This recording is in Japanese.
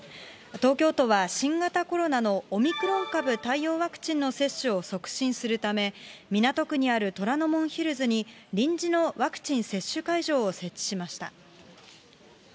東京都は新型コロナのオミクロン株対応ワクチンの接種を促進するため、港区にある虎ノ門ヒルズに臨時のワクチン接種会場を設置しました。